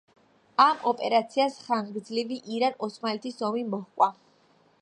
ამ ოპერაციას ხანგრძლივი ირან-ოსმალეთის ომი მოჰყვა.